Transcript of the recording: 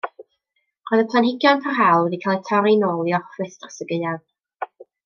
Roedd y planhigion parhaol wedi cael eu torri nôl i orffwys dros y gaeaf.